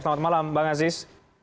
selamat malam bang aziz